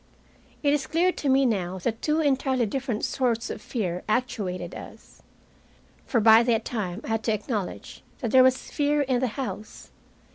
It is clear to me now that two entirely different sorts of fear actuated us. For by that time I had to acknowledge that there was fear in the house.